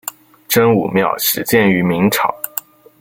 真武庙始建于明朝。